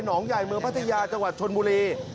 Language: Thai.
องใหญ่เมืองพัทยาจังหวัดชนบุรี